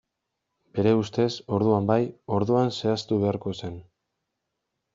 Bere ustez, orduan bai, orduan zehaztu beharko zen.